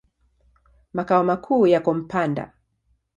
Makao makuu yako Mpanda.